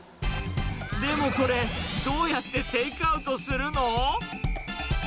でもこれ、どうやってテイクアウトするの？